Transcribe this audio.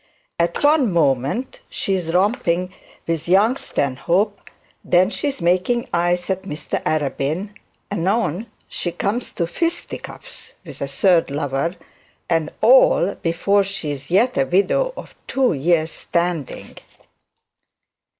At one moment she is romping with young Stanhope; then she is making eyes at Mr Arabin; anon she comes to fisty cuffs with a third lover; and all before she is yet a widow of two years' standing.